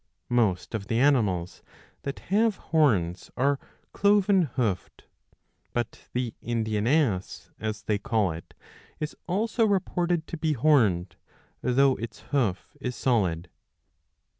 ^ Most of the animals that have horns are cloven hoofed ; but the Indian ass, as they call it, is also reported to be horned, though its hoof is solid.